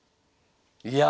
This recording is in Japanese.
いや。